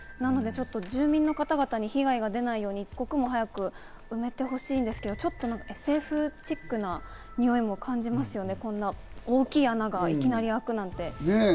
住民の方々に被害が出ないように一刻も早く埋めてほしいんですけど、ＳＦチックな感じがしますよね、こんな大きな穴が開くって。